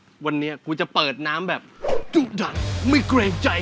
ดูนะวันนี้ครับกูจะเปิดน้ำแบบมีเกรงใจ